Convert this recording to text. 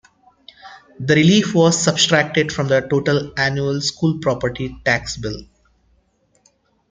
The relief was subtracted from the total annual school property tax bill.